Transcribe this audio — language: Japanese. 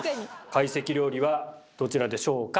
懐石料理はどちらでしょうか？